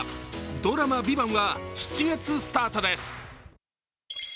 ドラマ「ＶＩＶＡＮＴ」は７月スタートです